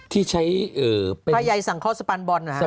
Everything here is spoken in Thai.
ที่ใช้เป็นผ้ายายสังเคราะห์สปานบอลนะฮะ